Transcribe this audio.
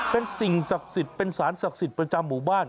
เป็นสิ่งศักดิ์สิทธิ์เป็นสารศักดิ์สิทธิ์ประจำหมู่บ้าน